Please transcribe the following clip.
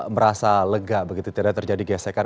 merasa lega begitu tidak terjadi gesekan